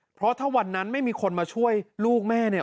เพราะถ้าวันนั้นไม่มีคนมาช่วยลูกแม่เนี่ย